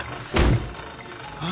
ああ！